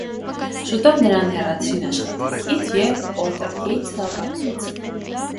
Շուտով նրան հեռացրին աշխատանքից և պոլտերգեյսթը ավարտվեց։